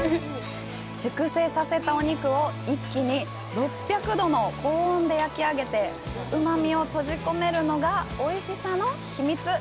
熟成させたお肉を一気に６００度の高温で焼き上げてうまみを閉じ込めるのがおいしさの秘密。